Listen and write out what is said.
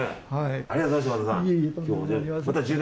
ありがとうございました和田さん。